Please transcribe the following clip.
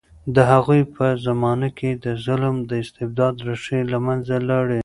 د هغوی په زمانه کې د ظلم او استبداد ریښې له منځه لاړې.